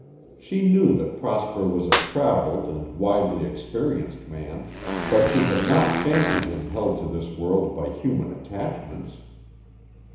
She knew that Prosper was a traveled and widely experienced man, but she had not fancied him held to this world by human attachments.